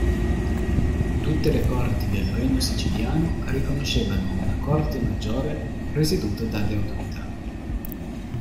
Tutte le corti del regno siciliano riconoscevano una Corte Maggiore presieduta dalle autorità.